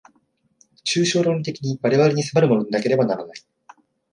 抽象論理的に我々に迫るものでなければならない。